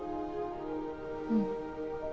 うん。